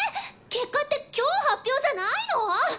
結果って今日発表じゃないの！？